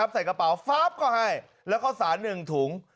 ใส่กระเป๋าฟ้าบก็ให้แล้วก็สารหนึ่งถุง